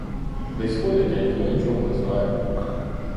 Десь ходить, а ніхто нічого не знає!